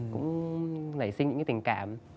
cũng nảy sinh những cái tình cảm